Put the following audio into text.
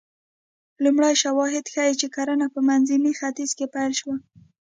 لومړي شواهد ښيي چې کرنه په منځني ختیځ کې پیل شوه